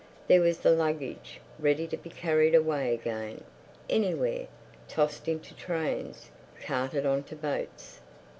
There was the luggage, ready to be carried away again, anywhere, tossed into trains, carted on to boats.